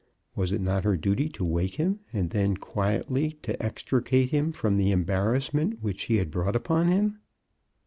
Was it not her duty to wake him, and then quietly to, extricate him from the embarrass ment which she had brought upon him?